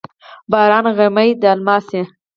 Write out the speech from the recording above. باران غمي د الماس،